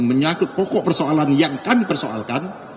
menyangkut pokok persoalan yang kami persoalkan